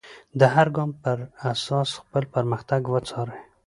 د هر ګام پر اساس خپل پرمختګ وڅارئ.